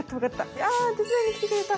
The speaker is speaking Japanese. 「いや手伝いに来てくれた。